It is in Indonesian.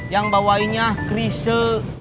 yang bawainya krise